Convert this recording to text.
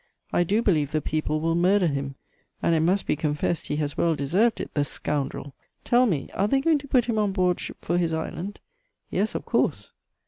I do believe the people will murder him: and it must be confessed he has well deserved it, the scoundrel! Tell me, are they going to put him on board ship for his island?' "'Yes, of course.'